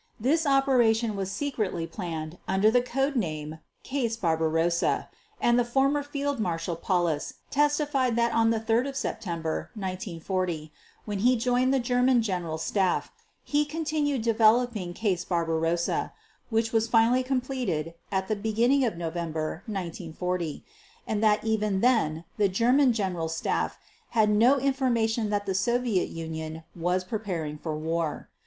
This operation was secretly planned under the code name "Case Barbarossa", and the former Field Marshal Paulus testified that on 3 September 1940, when he joined the German General Staff, he continued developing "Case Barbarossa", which was finally completed at the beginning of November 1940; and that even then, the German General Staff had no information that the Soviet Union was preparing for war.